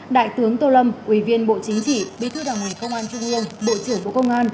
đại tướng tô lâm ủy viên bộ chính trị bí thư đảng ủy công an trung ương bộ trưởng bộ công an